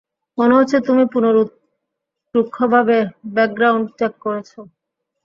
মনে হচ্ছে তুমি পুঙ্খানুপুঙ্খভাবে ব্যাকগ্রাউন্ড চেক করেছ।